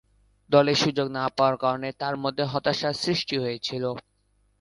দলে সুযোগ না পাওয়ার কারণে তার মধ্যে হতাশার সৃষ্টি হয়েছিল।